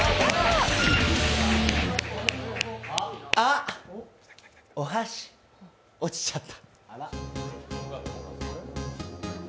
あっ、お箸落ちちゃった。